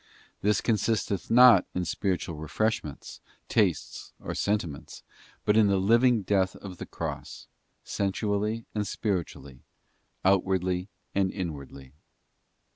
This consisteth not in spiritual refreshments, tastes, or sentiments, but in the living death of the cross, sensually and spiritually, outwardly and inwardly.